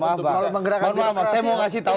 kalau menggerakkan di depan saya mau kasih tahu